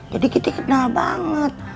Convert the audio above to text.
jadi kita kenal banget